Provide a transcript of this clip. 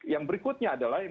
yang berikutnya adalah yang